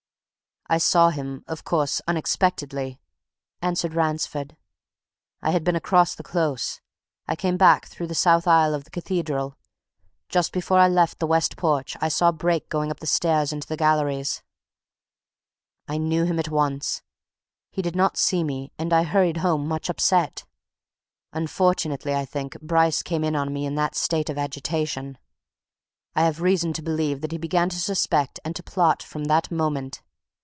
"I saw him, of course, unexpectedly," answered Ransford. "I had been across the Close I came back through the south aisle of the Cathedral. Just before I left the west porch I saw Brake going up the stairs to the galleries. I knew him at once. He did not see me, and I hurried home much upset. Unfortunately, I think, Bryce came in upon me in that state of agitation. I have reason to believe that he began to suspect and to plot from that moment.